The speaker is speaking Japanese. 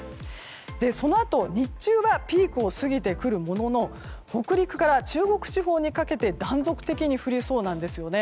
そのあと、日中はピークを過ぎてくるものの北陸から中国地方にかけて断続的に降りそうです。